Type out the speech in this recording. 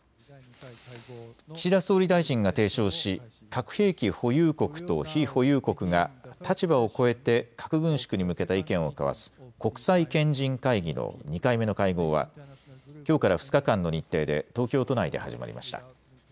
岸田総理大臣が提唱し核兵器保有国と非保有国が立場を超えて核軍縮に向けた意見を交わす国際賢人会議の２回目の会合はきょうから２日間の日程で東京都内で始まりました。